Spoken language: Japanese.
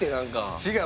違う。